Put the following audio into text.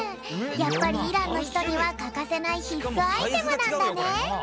やっぱりイランのひとにはかかせないひっすアイテムなんだね。